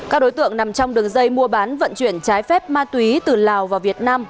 các đối tượng nằm trong đường dây mua bán vận chuyển trái phép ma túy từ lào vào việt nam